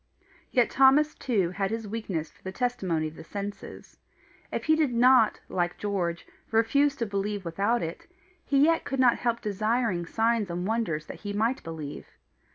Yet Thomas too had his weakness for the testimony of the senses. If he did not, like George, refuse to believe without it, he yet could not help desiring signs and wonders that he might believe.